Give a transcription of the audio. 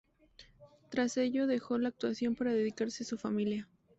Tras ello, dejó la actuación para dedicarse a su familia.